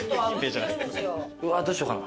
うわっどうしようかな。